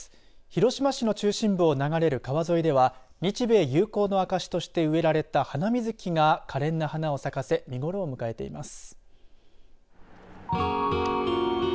広島市の中心部を流れる川沿いでは日米友好の証しとして植えられたハナミズキがかれんな花を咲かせ見頃を迎えています。